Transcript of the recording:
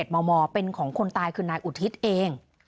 มมเป็นของคนตายคือนายอุทิศเอง